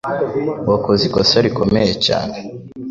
Wakoze ikosa rikomeye cyane.